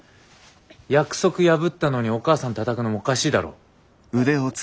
約束破ったのにお母さんたたくのおかしいだろ？